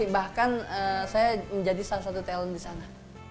bahkan saya menjadi salah satu talent disana